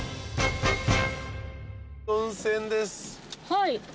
はい。